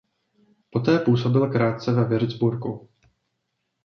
Poté působil krátce ve Würzburgu.